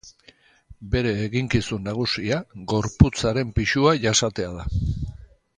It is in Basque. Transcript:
Bere eginkizun nagusia gorputzaren pisua jasatea da.